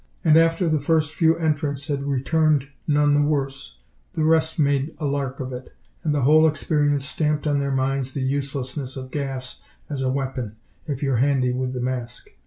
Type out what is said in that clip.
And after the first few entrants had returned none the worse, the rest made a lark of it, and the whole experience stamped on their minds the uselessness of gas as a weapon if you're handy with the mask.